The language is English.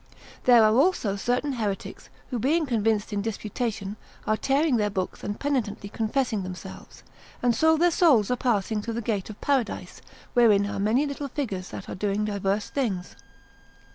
There are also certain heretics, who, being convinced in disputation, are tearing their books and penitently confessing themselves, and so their souls are passing through the gate of Paradise, wherein are many little figures that are doing diverse things.